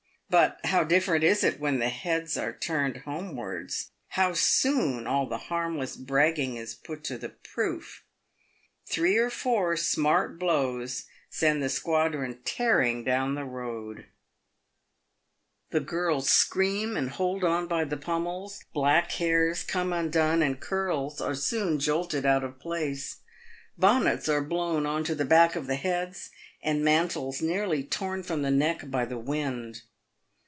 But how different is it when the heads are turned homewards ! How soon all the harmless bragging is put to the proof I Three or four smart blows send the squadron tearing down the road. o2 196 PAVED WITH GOLD. The girls scream, and hold on by the pommels ; back hairs come undone, and curls are soon jolted out of place. Bonnets are blown on to the back of the heads, and mantles nearly torn from the neck by the wind.